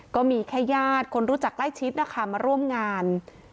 ก็มีแค่ญาติคนรู้จักใกล้ชิดนะคะมาร่วมงาน